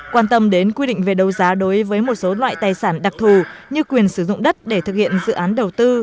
quan tâm đến quy định về đấu giá đối với một số loại tài sản đặc thù như quyền sử dụng đất để thực hiện dự án đầu tư